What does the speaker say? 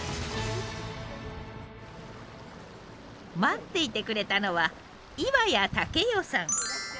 待っていてくれたのは岩谷竹代さん。